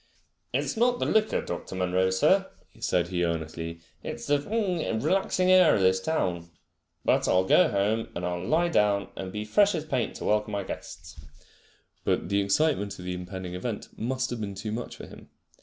It's not the liquor, Dr. Munro, sir," said he earnestly. It's the relaxing air of this town. But I'll go home and lie I'll down, and be as fresh as paint to welcome my guests." But the excitement of the impending event must have been too much for him.